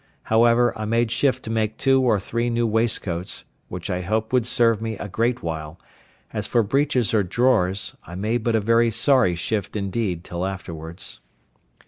However, I made shift to make two or three new waistcoats, which I hoped would serve me a great while: as for breeches or drawers, I made but a very sorry shift indeed till afterwards.